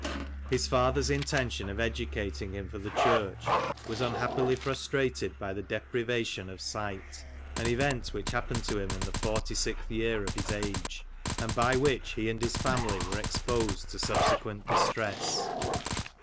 His father's intention of educating him for the church was unhappily frustrated by the deprivation of sight, an event which happened to him in the forty sixth year of his age, and by which he and his family were exposed to subsequent distress.